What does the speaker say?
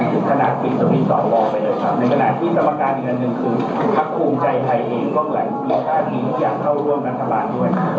ในกณะที่สมการอีกนั้นหนึ่งคือ